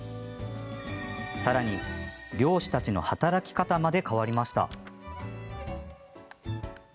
さらに、漁師たちの働き方まで変わりました。